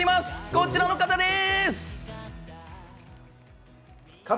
こちらの方です。